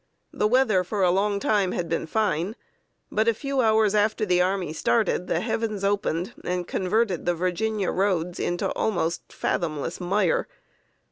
The weather for a long time had been fine, but, a few hours after the army started, the heavens opened, and converted the Virginia roads into almost fathomless mire.